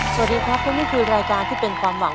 สวัสดีครับและนี่คือรายการที่เป็นความหวัง